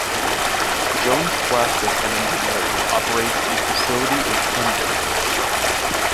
Jones Plastic and Engineering operates a facility in Camden.